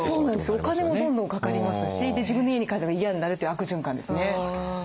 お金もどんどんかかりますしで自分の家に帰るのが嫌になるという悪循環ですね。